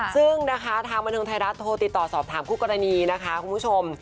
ซึ่งนะคะทางบันเทิงไทยรัฐโทรติดต่อสอบถามคู่กรณีนะคะคุณผู้ชม